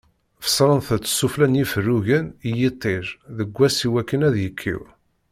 Fessrent-t sufella n yiferrugen i yiṭij deg wass i wakken ad yekkiw.